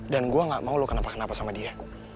dan gue gak mau lo kenapa kenapa sama dia